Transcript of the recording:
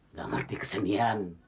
nggak ngerti kesenian